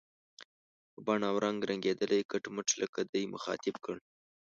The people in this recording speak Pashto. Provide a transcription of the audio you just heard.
په بڼه او رنګ رنګېدلی، کټ مټ لکه دی، مخاطب کړ.